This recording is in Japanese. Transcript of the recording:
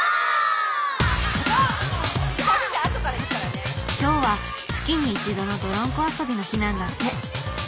今日は月に一度のどろんこ遊びの日なんだって。